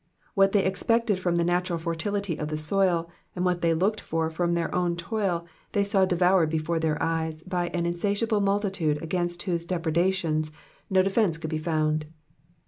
What they expected from the natural fertility of the soil, and whut they looked for from their own toil, they saw devoured before their eyes by an insatiable multitude against whose depredations no defence could be found.